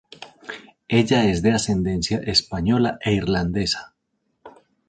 Ella es de ascendencia española e irlandesa.